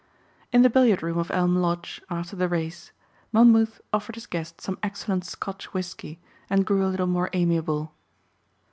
In the billiard room of Elm Lodge after the race Monmouth offered his guest some excellent Scotch whiskey and grew a little more amiable.